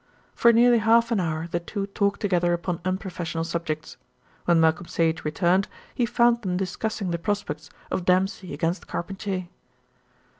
For nearly half an hour the two talked together upon unprofessional subjects. When Malcolm Sage returned, he found them discussing the prospects of Dempsey against Carpentier.